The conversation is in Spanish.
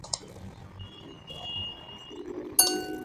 La música de carnaval presenta una gran influencia cubana.